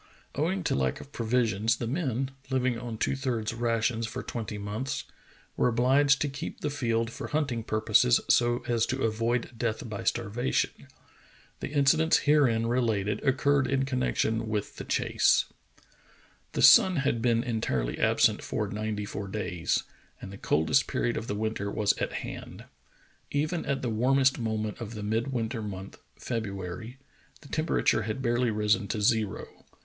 Owing to lack of provisions, the men, living on two thirds rations for twenty months, were obliged to keep the field for hunting purposes so as to avoid death by starvation. The incidents herein related occurred in connection with the chase. The sun had been entirely absent for ninety four days, and the coldest period of the winter was at hand. Even at the warmest moment of the midwinter month, February, the temperature had barely risen to zero.